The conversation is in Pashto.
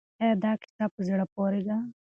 آیا دا کیسه په زړه پورې ده؟